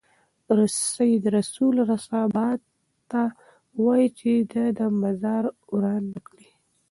سید رسول رسا باد ته وايي چې د ده مزار وران نه کړي.